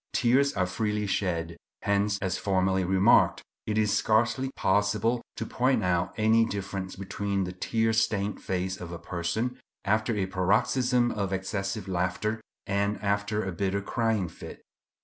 Tears are freely shed. Hence, as formerly remarked, it is scarcely possible to point out any difference between the tear stained face of a person after a paroxysm of excessive laughter and after a bitter crying fit.